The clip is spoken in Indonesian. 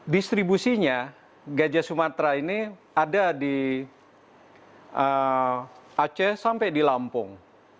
distribusinya gajah sumatera ini ada di aceh sampai di lampung